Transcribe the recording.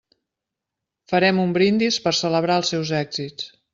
Farem un brindis per celebrar els seus èxits.